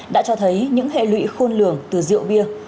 đã cho thấy những hệ lụy khôn lường từ rượu bia